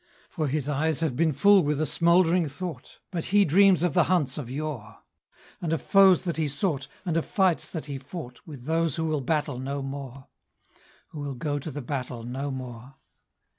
For his eyes have been full with a smouldering thought; But he dreams of the hunts of yore, And of foes that he sought, and of fights that he fought With those who will battle no more Who will go to the battle no more.